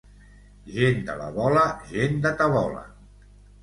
Gent de la Vola, gent de tabola.